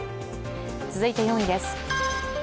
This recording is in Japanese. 続いて４位です。